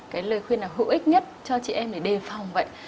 cái lời khuyên nào hữu ích nhất cho chị em để đề phòng vậy